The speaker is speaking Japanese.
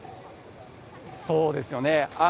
そうですよね。